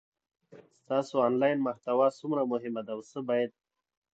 ستاسو انلاین محتوا څومره مهمه ده او څه باید